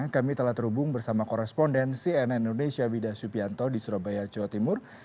kami telah terhubung bersama koresponden cnn indonesia wida subianto di surabaya jawa timur